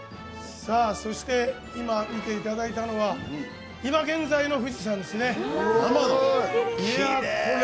そして見ていただいたのは今現在の富士山ですね。